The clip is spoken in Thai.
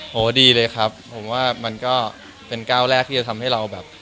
โหดีเลยครับผมว่ามันก็เป็นก้าวแรกที่จะทำให้เราแบบ